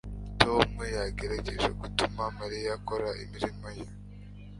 tom yagerageje gutuma mariya akora imirimo ye